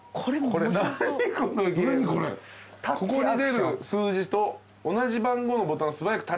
「ここに出る数字と同じ番号のボタン素早くタッチしてください」